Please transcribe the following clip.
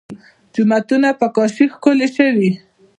جوماتونه په کاشي ښکلي شوي.